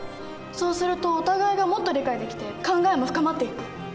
そうするとお互いがもっと理解できて考えも深まっていく。